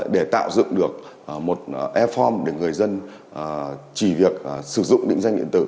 để tạo dựng được một e form để người dân chỉ việc sử dụng định danh điện tử